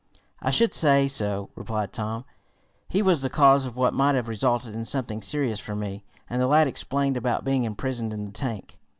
"I should say so," replied Tom. "He was the cause of what might have resulted in something serious for me," and the lad explained about being imprisoned in the tank.